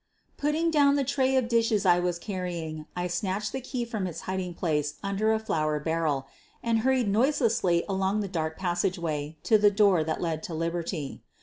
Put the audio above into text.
Putting down the tray of dishes I was carrying I snatched the key from its hiding place under a flour barrel and hurried noiselessly along the dark pas sageway to the door that led to liberty.